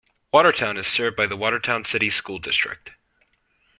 Watertown is served by the Watertown City School District.